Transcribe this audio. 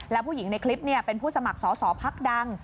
แล้วผู้หญิงในคลิปเป็นผู้สมัครสอสอพักดัง